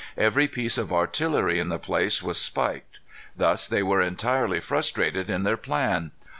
Every piece of artillery in the place was spiked. Thus they were entirely frustrated in their plan.